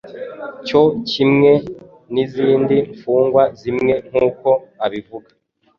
cyo kimwe n'izindi mfungwa zimwe nkuko abivuga.